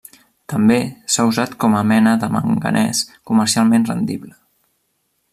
També s'ha usat com mena de manganès comercialment rendible.